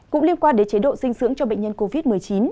cũng liên quan đến chế độ dinh dưỡng cho bệnh nhân covid một mươi chín